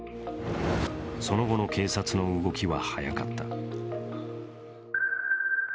その後の警察の動きは早かった。